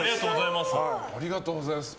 ありがとうございます。